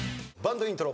バンドイントロ。